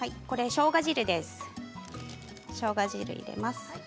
しょうが汁です。